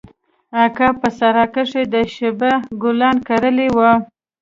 اکا په سراى کښې د شبۍ ګلان کرلي وو.